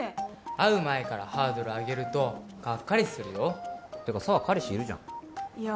会う前からハードル上げるとがっかりするよていうか紗羽彼氏いるじゃんいや